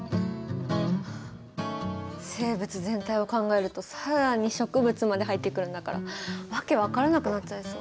生物全体を考えると更に植物まで入ってくるんだから訳分からなくなっちゃいそう。